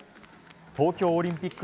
東京オリンピック